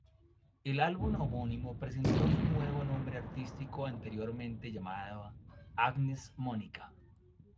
El álbum homónimo presentó su nuevo nombre artístico, anteriormente llamada 'Agnes Monica'.